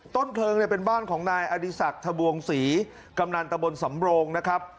ต้นเพลิงเนี่ยเป็นบ้านของนายอดีศักดิ์ทะบวงศรีกำนันตะบนสำโรงนะครับ